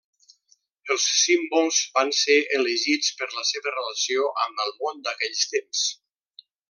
Els símbols van ser elegits per la seva relació amb el món d’aquell temps.